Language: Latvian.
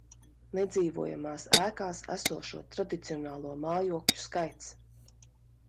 Nedzīvojamās ēkās esošo tradicionālo mājokļu skaits